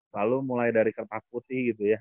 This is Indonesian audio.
lalu mulai dari kertas putih gitu ya